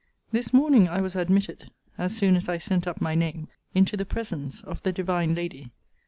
This morning I was admitted, as soon as I sent up my name, into the presence of the divine lady.